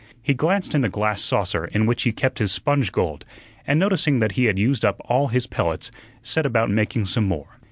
He glanced in the glass saucer in which he kept his sponge gold, and noticing that he had used up all his pellets, set about making some more.